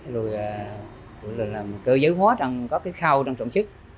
rồi làm cơ giới hóa trong có cái khao trong sản xuất